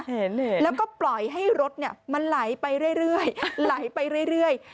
เห็นแล้วก็ปล่อยให้รถมันไหลไปเรื่อย